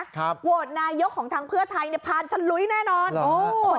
ครับโหดนายกของทางเพื่อไทยเนี้ยพารสลุยแน่นอนหรอ